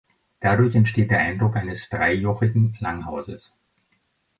Dadurch entsteht der Eindruck eines dreijochigen Langhauses.